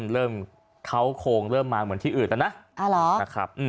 เริ่มเขาโครงเริ่มมาเหมือนที่อื่นนะ